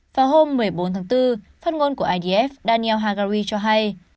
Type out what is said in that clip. vào hôm một mươi bốn tháng bốn phát ngôn của idf daniel hagari cho hay